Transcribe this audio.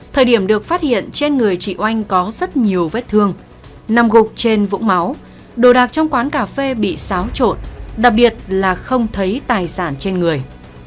thời điểm được phát hiện trên người chị oanh có rất nhiều vết thương nằm gục trên vũng máu đồ đạc trong quán cà phê bị xáo trộn đặc biệt là không thấy tài sản trên người